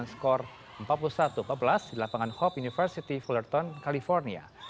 tim putri honda dpl all star dengan skor empat puluh satu empat belas di lapangan hope university fullerton california